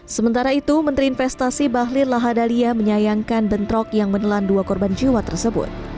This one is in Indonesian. sementara itu menteri investasi bahlir lahadalia menyayangkan bentrok yang menelan dua korban jiwa tersebut